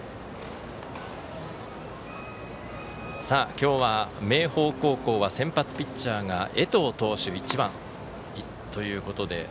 今日は明豊高校は先発ピッチャーが江藤投手、１番ということで。